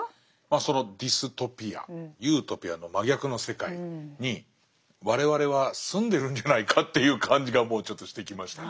そのディストピアユートピアの真逆の世界に我々は住んでるんじゃないかという感じがもうちょっとしてきましたね。